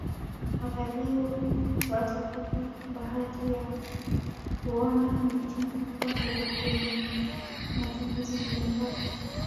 watalii watapata bahati ya kuona miti mikubwa mirefu yenye matumizi mbalimbali